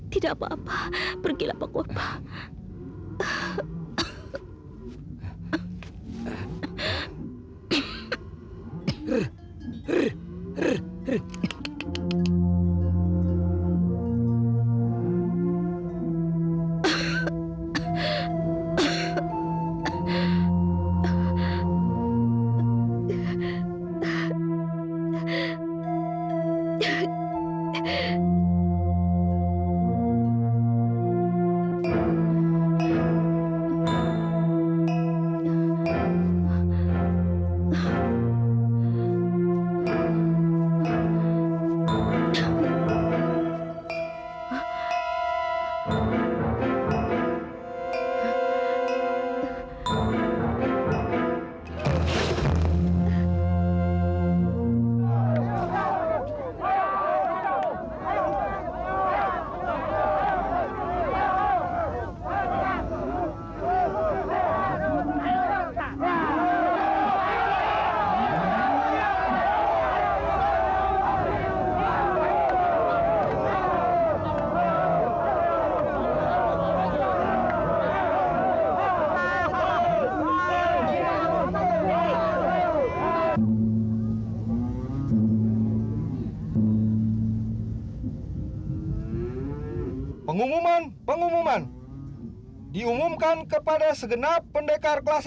tidak apa apa pergilah pak korba